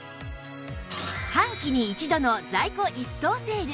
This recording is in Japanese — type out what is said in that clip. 半期に一度の在庫一掃セール